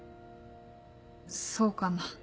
そうかな。